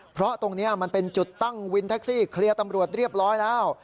เพราะตรงนี้มันเป็นจุดตั้งวินแท็กซี่เคลียร์ตำรวจเรียบร้อยแล้ว